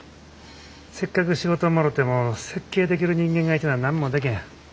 せっかく仕事もろても設計できる人間がいてな何もでけへん。